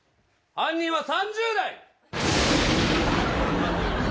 犯人は３０代です。